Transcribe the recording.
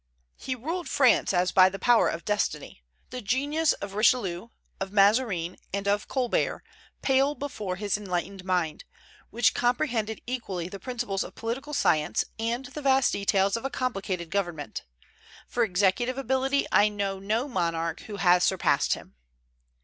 He ruled France as by the power of destiny. The genius of Richelieu, of Mazarin, and of Colbert pale before his enlightened mind, which comprehended equally the principles of political science and the vast details of a complicated government. For executive ability I know no monarch who has surpassed him.